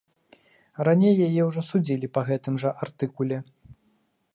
Раней яе ўжо судзілі па гэтым жа артыкуле.